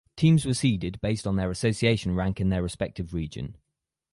Teams were seeded based on their association rank in their respective region.